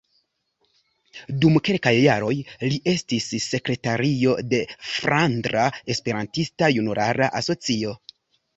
Dum kelkaj jaroj li estis sekretario de Flandra Esperantista Junulara Asocio.